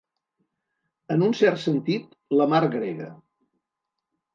En un cert sentit, la mar grega.